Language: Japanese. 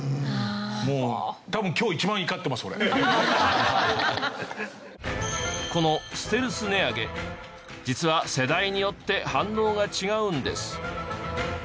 もう多分このステルス値上げ実は世代によって反応が違うんです。